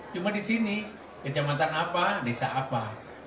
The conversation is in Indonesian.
cuma di sini kecamatan apa desa apa